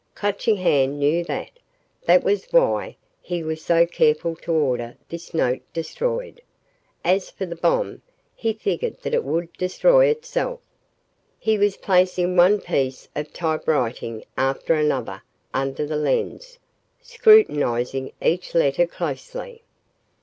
Clutching Hand knew that. That was why he was so careful to order this note destroyed. As for the bomb, he figured that it would destroy itself." He was placing one piece of typewriting after another under the lens, scrutinizing each letter closely.